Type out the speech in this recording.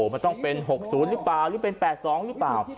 มันต้องเป็น๖๐หรือเปล่าหรือเป็น๘๒หรือเปล่า